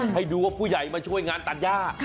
ให้ดูว่าผู้ใหญ่มาช่วยงานตัดย่า